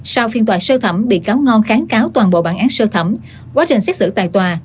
sau phiên tòa sơ thẩm bị cáo ngon kháng cáo toàn bộ bản án sơ thẩm quá trình xét xử tại tòa